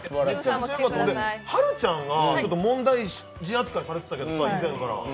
はるちゃんが問題児扱いされていたけど以前は。